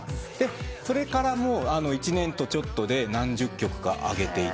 それから１年とちょっとで何十曲か上げていて。